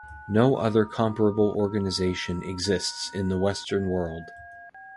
No other comparable organisation exists in the Western world.